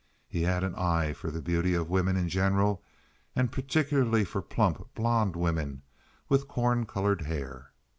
He had an eye for the beauty of women in general, and particularly for plump, blonde women with corn colored hair.